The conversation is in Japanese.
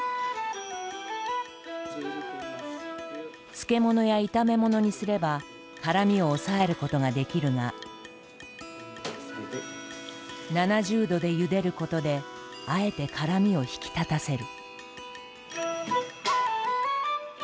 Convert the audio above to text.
漬物や炒め物にすれば辛みを抑えることができるが７０度でゆでることであえて辛みを引き立たせる。